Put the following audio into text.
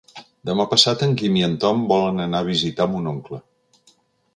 Demà passat en Guim i en Tom volen anar a visitar mon oncle.